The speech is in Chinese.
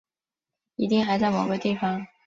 一定还在某个地方